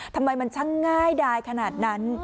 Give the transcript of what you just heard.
ทำไมมันช่างง่ายดายขนาดนั้น